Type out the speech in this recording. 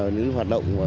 những hoạt động